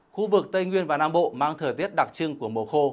khu vực tây nguyên và nam bộ mang thời tiết đặc trưng của mùa khô